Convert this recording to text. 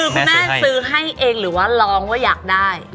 คือคุณแม่ซื้อให้เองหรือว่าร้องว่าอยากได้